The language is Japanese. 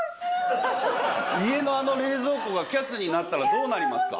家のあの冷蔵庫がＣＡＳになったらどうなりますか。